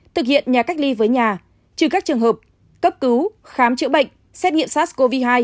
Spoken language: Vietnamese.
thực hiện nhà cách ly với nhà trừ các trường hợp cấp cứu khám chữa bệnh xét nghiệm sars cov hai